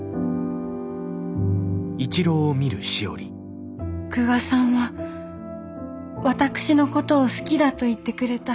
心の声久我さんは私のことを好きだと言ってくれた。